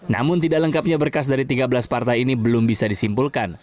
namun tidak lengkapnya berkas dari tiga belas partai ini belum bisa disimpulkan